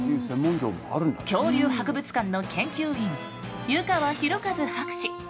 恐竜博物館の研究員湯川弘一博士。